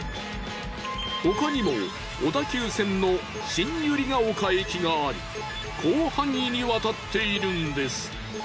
他にも小田急線の新百合ヶ丘駅があり広範囲に渡っているんです。